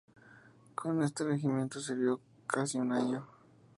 Con este regimiento sirvió casi un año.